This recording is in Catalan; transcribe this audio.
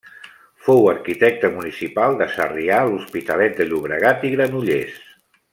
Fou arquitecte municipal de Sarrià, l’Hospitalet de Llobregat i Granollers.